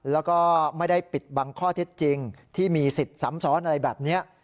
แล้วก็ไม่ได้ปิดบังข้อเท็จจริงที่มีสิทธิ์ซ้ำซ้อนอะไรแบบนี้